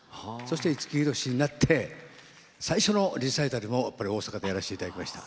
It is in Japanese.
五木ひろしになって最初のリサイタルも大阪でやらせていただきました。